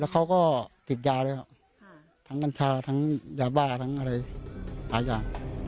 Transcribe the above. เขาก็ติดยาแล้วทั้งกัญชาทั้งยาบ้าทั้งอะไรหายา